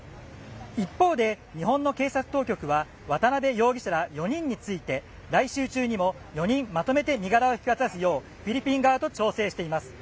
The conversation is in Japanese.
一方で日本の警察当局は渡辺容疑者ら４人について来週中にも４人まとめて身柄を引き渡すようフィリピン側と調整しています。